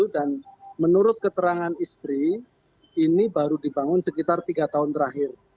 dan menurut keterangan istri ini baru dibangun sekitar tiga tahun terakhir